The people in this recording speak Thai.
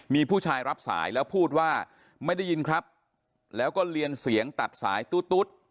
มีผู้ชายรับสายแล้วพูดว่าไม่ได้ยินครับแล้วก็เรียนเสียงตัดสายตุ๊ด